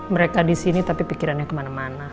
mereka disini tapi pikirannya kemana mana